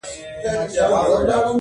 یو ګړی وروسته را والوتل بادونه؛